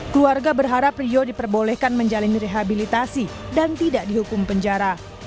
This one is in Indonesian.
keluarga berharap rio diperbolehkan menjalani rehabilitasi dan tidak dihukum penjara